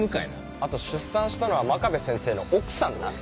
あと出産したのは真壁先生の奥さんな。